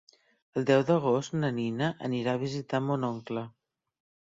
El deu d'agost na Nina anirà a visitar mon oncle.